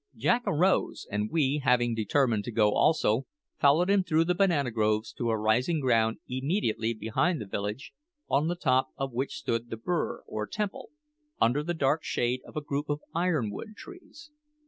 Jack arose, and we, having determined to go also, followed him through the banana groves to a rising ground immediately behind the village, on the top of which stood the Bure, or temple, under the dark shade of a group of iron wood trees.